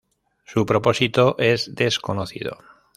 Su propósito es desconocido.